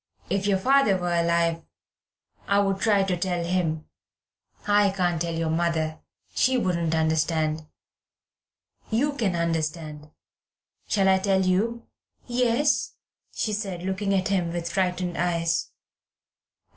If your father were alive I would try to tell him; I can't tell your mother, she wouldn't understand. You can understand. Shall I tell you?" "Yes," she said, looking at him with frightened eyes.